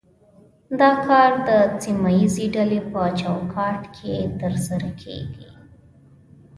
دا کار د سیمه ایزې ډلې په چوکاټ کې ترسره کیږي